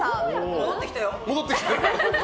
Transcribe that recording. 戻ってきたよ。